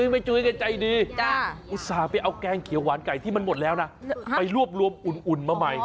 แม่จุ้ยก็ใจดีอุตส่าห์ไปเอาแกงเขียวหวานไก่ที่มันหมดแล้วนะไปรวบรวมอุ่นมาใหม่